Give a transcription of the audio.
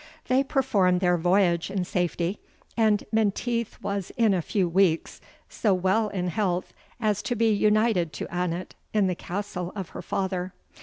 They performed their voyage in safety, and Menteith was in a few weeks so well in health, as to be united to Annot in the castle of her father.